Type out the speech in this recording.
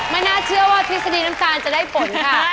น่าเชื่อว่าทฤษฎีน้ำตาลจะได้ฝนค่ะ